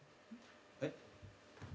えっ？